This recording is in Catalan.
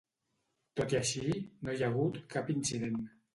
Tot i així, no hi hagut cap incident.